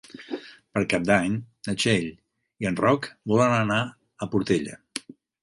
Per Cap d'Any na Txell i en Roc volen anar a la Portella.